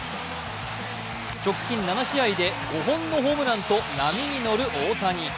直近７試合で５本のホームランと波に乗る大谷。